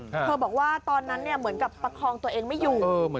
เธอบอกว่าตอนนั้นเหมือนกับประคองตัวเองไม่อยู่